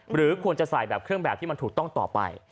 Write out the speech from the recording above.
หรือควรจะใส่แบบเครื่องแบบที่มันถูกต้องต่อไป